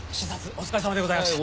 お疲れさまでございました。